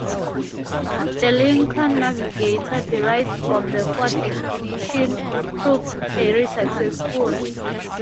The Lincoln Navigator, derived from the Ford Expedition, proved very successful.